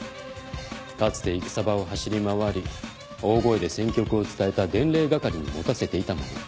かつて戦場を走り回り大声で戦局を伝えた伝令係に持たせていたもの。